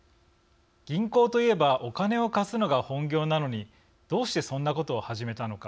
銀行といえばお金を貸すのが本業なのにどうしてそんなことを始めたのか。